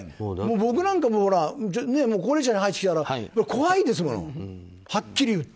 僕なんか高齢者に入ってきたから怖いですもん、はっきり言って。